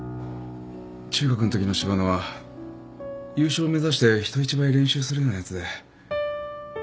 中学のときの柴野は優勝を目指して人一倍練習するようなやつで。